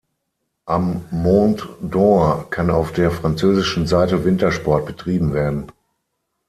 Am Mont d’Or kann auf der französischen Seite Wintersport betrieben werden.